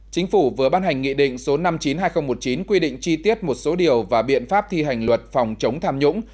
chính phủ vừa ban hành nghị định số năm mươi chín hai nghìn một mươi chín quy định chi tiết một số điều và biện pháp thi hành luật phòng chống tham nhũng